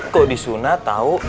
kok di sunat tau